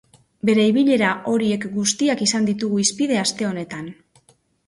Bere ibilera horiek guztiak izan ditugu hizpide aste honetan.